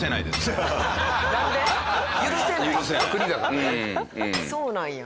そうなんや。